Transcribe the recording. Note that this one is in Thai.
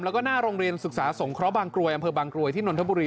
แล้วก็ณโรงเร็สสุรสาสงครบังกลัวยอำเภอบังกลัวยที่นนทบุรี